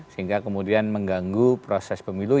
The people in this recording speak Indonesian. sehingga kemudian mengganggu proses pemilu